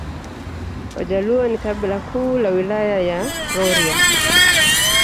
Wajaluo ni kabila kuu la Wilaya ya Rorya